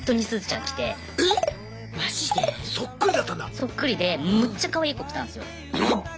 そっくりでむっちゃかわいい子来たんすよ。